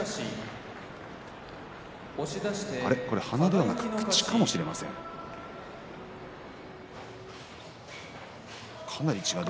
鼻ではなく口かもしれません千代丸。